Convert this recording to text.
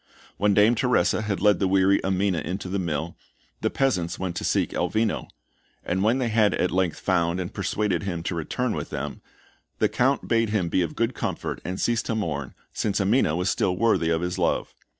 When Dame Teresa had led the weary Amina into the mill, the peasants went to seek Elvino; and when they had at length found and persuaded him to return with them, the Count bade him be of good comfort and cease to mourn, since Amina was still worthy of his love.